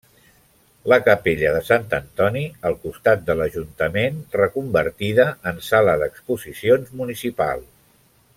La Capella de Sant Antoni, al costat de l'Ajuntament, reconvertida en sala d'exposicions municipal.